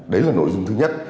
đấy là nội dung thứ nhất